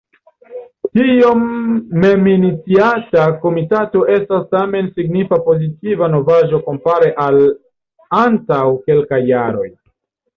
Tiom meminiciata Komitato estas tamen signifa pozitiva novaĵo kompare al antaŭ kelkaj jaroj.